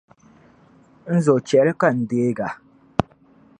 Nzo chɛli ka n-deega.